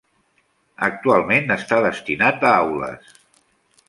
Actualment està destinat a aules.